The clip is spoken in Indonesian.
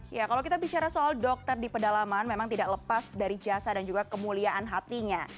ya kalau kita bicara soal dokter di pedalaman memang tidak lepas dari jasa dan juga kemuliaan hatinya